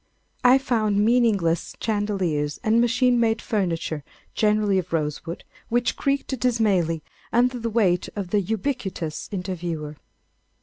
I found meaningless chandeliers and machine made furniture, generally of rosewood, which creaked dismally under the weight of the ubiquitous interviewer.